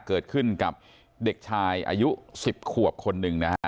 เกิดขึ้นกับเด็กชายอายุ๑๐ขวบคนหนึ่งนะฮะ